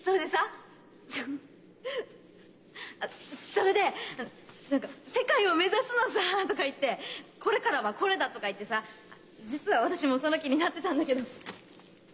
それで何か「世界を目指すのさぁ」とか言って「これからはこれだ」とか言ってさぁ実は私もその気になってたんだけど。